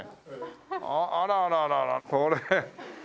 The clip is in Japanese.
あらあらあらあらこれ。